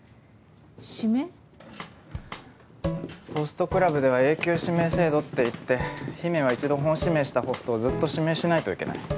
指名？ホストクラブでは永久指名制度っていって姫は１度本指名したホストをずっと指名しないといけない。